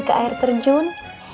ke air terjun